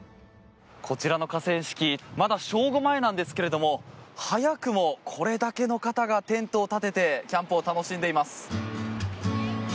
こちらの河川敷まだ正午前なんですけれども早くもこれだけの方がテントを立ててキャンプを楽しんでいます。